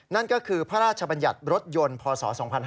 นั่นก็คือพระราชบัญญัติรถยนต์พศ๒๕๕๙